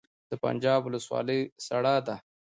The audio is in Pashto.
د پنجاب ولسوالۍ سړه ده